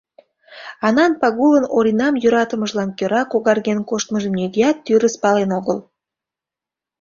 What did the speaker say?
Анан Пагулын Оринам йӧратымыжлан кӧра когарген коштмыжым нигӧат тӱрыс пален огыл.